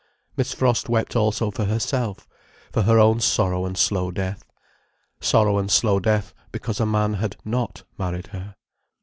Miss Frost wept also for herself, for her own sorrow and slow death. Sorrow and slow death, because a man had not married her.